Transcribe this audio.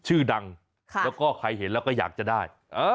ชื่อดังแล้วก็ใครเห็นแล้วก็อยากจะได้